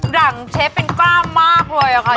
หลังเชฟเป็นกล้ามมากเลยอะค่ะ